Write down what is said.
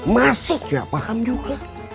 masih gak paham juga